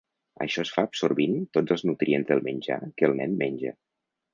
Això es fa absorbint tots els nutrients del menjar que el nen menja.